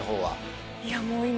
いやもう今。